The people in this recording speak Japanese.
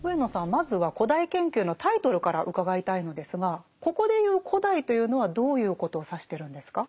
まずは「古代研究」のタイトルから伺いたいのですがここで言う「古代」というのはどういうことを指してるんですか？